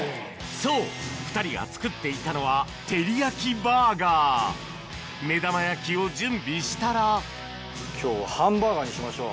そう２人が作っていたのは目玉焼きを準備したら今日はハンバーガーにしましょう。